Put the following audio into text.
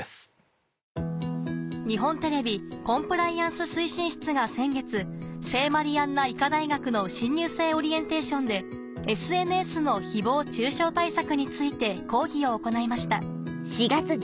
日本テレビコンプライアンス推進室が先月聖マリアンナ医科大学の新入生オリエンテーションでＳＮＳの誹謗中傷対策について講義を行いました